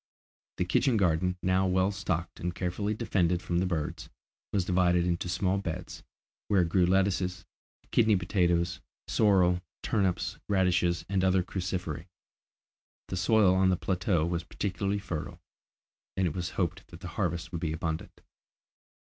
The kitchen garden, now well stocked and carefully defended from the birds, was divided into small beds, where grew lettuces, kidney potatoes, sorrel, turnips, radishes, and other cruciferæ. The soil on the plateau was particularly fertile, and it was hoped that the harvests would be abundant.